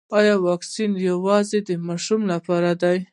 ایا واکسین یوازې د ماشومانو لپاره دی